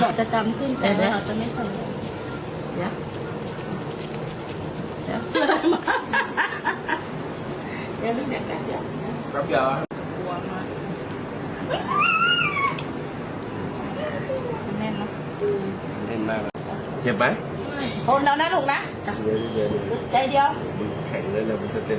มันจะเจ็บไง